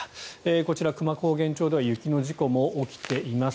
こちら、久万高原町では雪の事故も起きています。